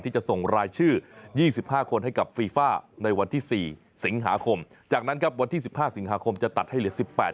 จะส่งรายชื่อ๒๕คนให้กับฟีฟ่าในวันที่๔สิงหาคมจากนั้นครับวันที่๑๕สิงหาคมจะตัดให้เหลือ๑๘